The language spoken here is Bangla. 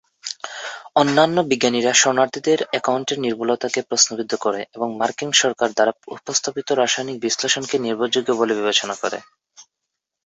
অন্যান্য বিজ্ঞানীরা শরণার্থীদের অ্যাকাউন্টের নির্ভুলতা কে প্রশ্নবিদ্ধ করে এবং মার্কিন সরকার দ্বারা উপস্থাপিত রাসায়নিক বিশ্লেষণ কে নির্ভরযোগ্য বলে বিবেচনা করে।